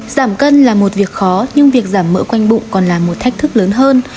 giảm cân là một việc khó nhưng việc giảm mỡ quanh bụng còn là một thách thức lớn hơn